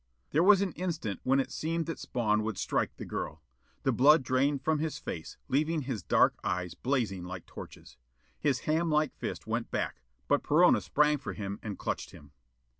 There was an instant when it seemed that Spawn would strike the girl. The blood drained from his face, leaving his dark eyes blazing like torches. His hamlike fist went back, but Perona sprang for him and clutched him.